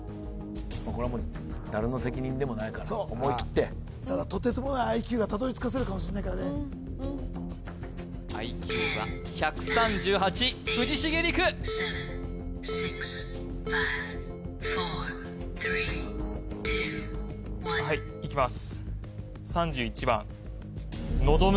これはもう誰の責任でもないから思い切ってただとてつもないＩＱがたどり着かせるかもしれないからＩＱは１３８藤重吏玖はいいきます